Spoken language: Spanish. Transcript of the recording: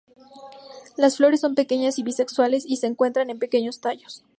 Las flores son pequeñas y bisexuales, y se encuentran en pequeños tallos.